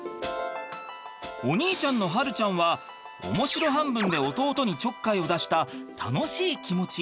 お兄ちゃんの晴ちゃんは面白半分で弟にちょっかいを出した楽しい気持ち。